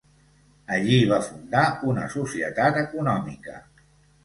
Allí va fundar una Societat Econòmica.